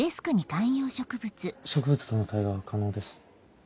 植物との対話は可能です。